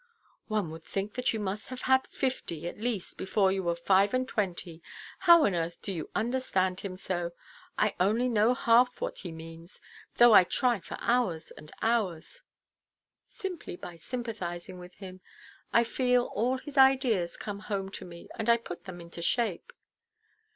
"One would think that you must have had fifty, at least, before you were five–and–twenty! How on earth do you understand him so? I only know half what he means, though I try for hours and hours." "Simply by sympathizing with him. I feel all his ideas come home to me, and I put them into shape."